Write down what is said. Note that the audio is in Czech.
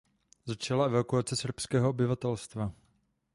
Začala evakuace srbského obyvatelstva.